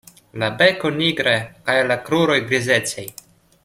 La beko nigra kaj la kruroj grizecaj.